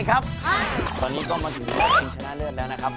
สุภาพสตรีสุดเฟี้ยวเลือกเพลงอะไรมาครับ